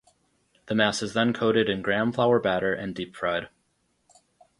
The mass is then coated in gram flour batter and deep fried.